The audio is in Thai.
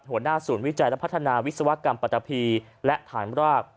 หัวหน้าศูนย์วิจัยและพัฒนาวิศวกรรมปัตตะพีและฐานราก